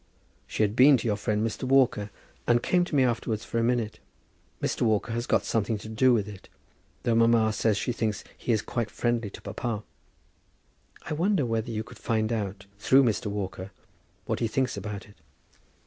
She had been to your friend, Mr. Walker, and came to me afterwards for a minute. Mr. Walker has got something to do with it, though mamma says she thinks he is quite friendly to papa. I wonder whether you could find out, through Mr. Walker, what he thinks about it.